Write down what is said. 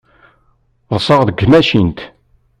Ḍḍseɣ deg tmacint.